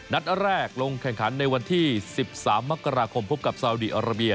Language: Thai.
นัดแรกลงแข่งขันในวันที่๑๓มกราคมพบกับซาวดีอาราเบีย